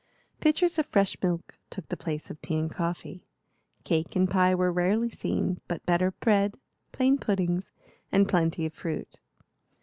Pitchers of fresh milk took the place of tea and coffee; cake and pie were rarely seen, but better bread, plain puddings, and plenty of fruit.